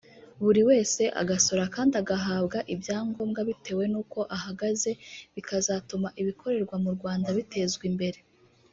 buri wese agasora kandi agahabwa ibyangombwa bitewe n’uko ahagaze bikazatuma ibikorerwa mu Rwanda bitezwa imbere